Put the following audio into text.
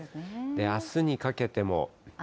あすにかけても。